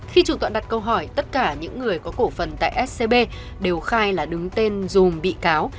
khi chủ tọa đặt câu hỏi tất cả những người có cổ phần tại scb đều khai là đứng tên dùm bị cáo